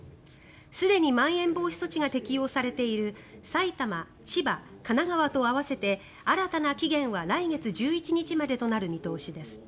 すでにまん延防止措置が適用されている埼玉、千葉、神奈川と合わせて新たな期限は来月１１日までとなる見通しです。